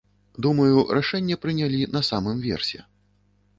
Думаю, рашэнне прынялі на самым версе.